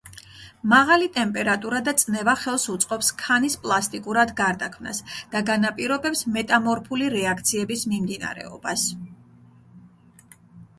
მაღალი ტემპერატურა და წნევა ხელს უწყობს ქანის პლასტიკურად გარდაქმნას და განაპირობებს მეტამორფული რეაქციების მიმდინარეობას.